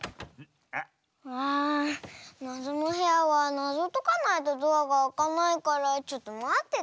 あなぞのへやはなぞをとかないとドアがあかないからちょっとまってて。